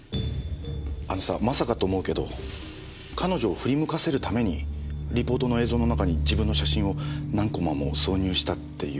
あのさまさかと思うけど彼女を振り向かせるためにリポートの映像の中に自分の写真を何コマも挿入したっていうこと？